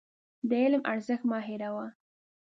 د علم ارزښت مه هېروه.